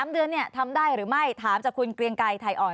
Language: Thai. ๓เดือนทำได้หรือไม่ถามจากคุณเกรียงไกรไทยอ่อน